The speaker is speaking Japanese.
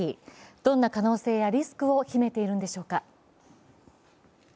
どんな可能性やリスクを秘めているのでしょうか。